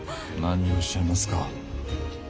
何をおっしゃいますか。